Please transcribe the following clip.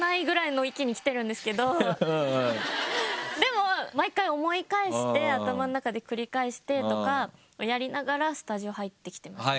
でも毎回思い返して頭の中で繰り返してとかやりながらスタジオ入ってきてますね。